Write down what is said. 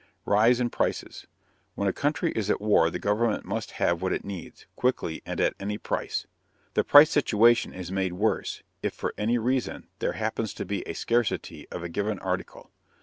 RISE IN PRICES. When a country is at war the government must have what it needs, quickly and at any price. The price situation is made worse if for any reason there happens to be a scarcity of a given article.